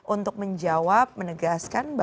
untuk menjawab menegaskan